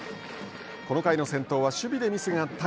この回の先頭は守備でミスがあった